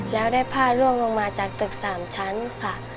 แล้วได้ผ้าล่วงลงมาจากตึก๓ชั้นค่ะ